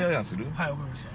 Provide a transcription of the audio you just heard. ◆はい、分かりました。